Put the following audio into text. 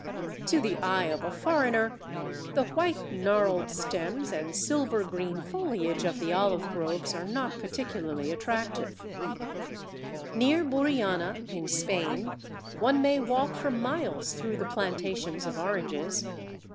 To the eye of a foreigner the white gnarled stems and silver green foliage of the olive groves are not particularly attractive. Journal Society of Arts, August, 1896. Near Burriana, in Spain, one may walk for miles through the plantations of oranges.